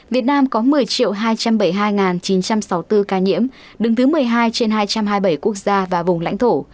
việt nam có một mươi hai trăm bảy mươi hai chín trăm sáu mươi bốn ca nhiễm đứng thứ một mươi hai trên hai trăm hai mươi bảy quốc gia và vùng lãnh thổ